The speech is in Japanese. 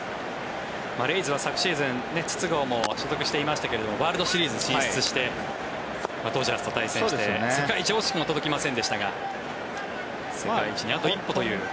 レイズは昨シーズン筒香も所属していましたがワールドシリーズ進出してドジャースと対戦して世界一には惜しくも届きませんでしたが世界一にあと一歩という。